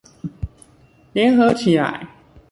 聯合起來！